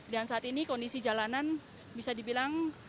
dan saat ini kondisi jalanan bisa dibilang